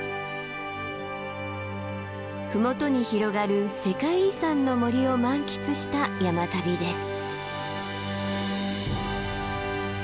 麓に広がる世界遺産の森を満喫した山旅です。